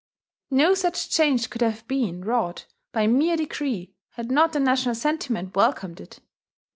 No such change could have been wrought by mere decree had not the national sentiment welcomed it....